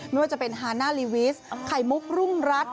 ไม่ว่าจะเป็นฮาน่าลีวิสไข่มุกรุ่งรัฐ